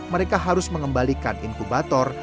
mereka harus mengembalikan inkubator